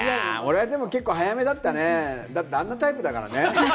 俺は結構早めだったね、あんなタイプだからね。